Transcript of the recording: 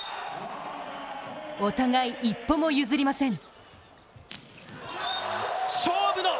お互い一歩も譲りません。